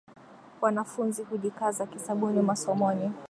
wanafunzi hujikaza kisabuni masomoni